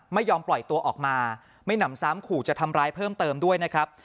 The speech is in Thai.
ไม่ยอมปล่อยตัวออกมาไม่หนำซ้ำขู่จะทำร้ายเพิ่มเติมด้วยนะครับ